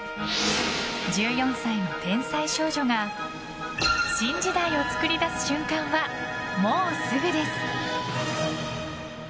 １４歳の天才少女が新時代をつくり出す瞬間はもうすぐです。